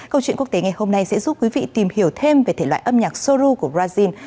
câu chuyện quốc tế ngày hôm nay sẽ giúp quý vị tìm hiểu thêm về thể loại âm nhạc sô lô của brazil